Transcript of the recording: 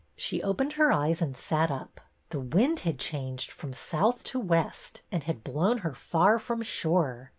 She opened her eyes and sat up. The wind had changed from south to west and had blown her far from shore.